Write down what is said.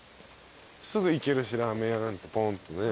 すぐ行けるしラーメン屋なんてポンとね。